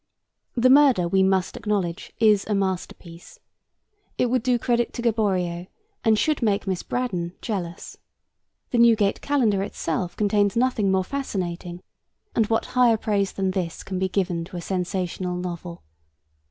The murder, we must acknowledge, is a masterpiece. It would do credit to Gaboriau, and should make Miss Braddon jealous. The Newgate Calendar itself contains nothing more fascinating, and what higher praise than this can be given to a sensational novel?